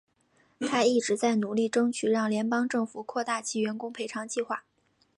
她一直在努力争取让联邦政府扩大其员工赔偿计划。